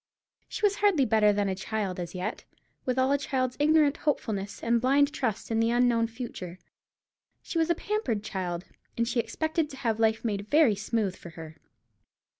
She was hardly better than a child as yet, with all a child's ignorant hopefulness and blind trust in the unknown future. She was a pampered child, and she expected to have life made very smooth for her.